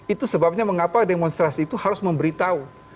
itu sebabnya mengapa demonstrasi itu harus memberitahu